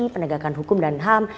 penegakan hukum dan ham